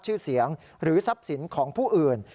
ชื่อเสียงหรือทรัพย์สินของผู้อื่น